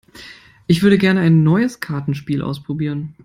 Ich würde gerne ein neues Kartenspiel ausprobieren.